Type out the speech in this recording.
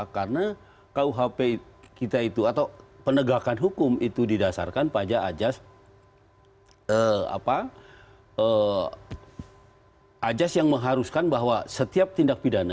karena rkuhp kita itu atau penegakan hukum itu didasarkan pajak ajas yang mengharuskan bahwa setiap tindak pidana